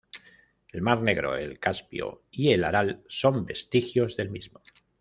El mar Negro, el Caspio y el Aral son vestigios del mismo.